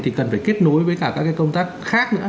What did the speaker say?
thì cần phải kết nối với cả các công tác khác nữa